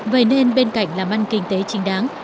vậy nên bên cạnh làm ăn kinh tế chính đáng